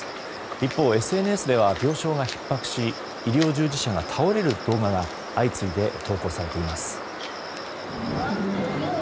一方、ＳＮＳでは病床がひっ迫し医療従事者が倒れる動画が相次いで投稿されています。